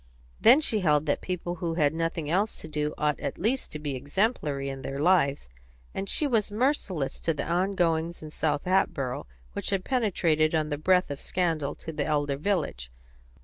Then she held that people who had nothing else to do ought at least to be exemplary in their lives, and she was merciless to the goings on in South Hatboro', which had penetrated on the breath of scandal to the elder village.